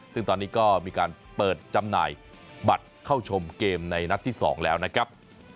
ซึ่งตอนนี้ก็มีการเปิดจำหน่ายบัตรเข้าชมเกมในนัดที่๒แล้วนะครับ